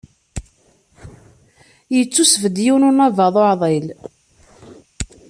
Yettusbedd yiwen unabaḍ uɛḍil.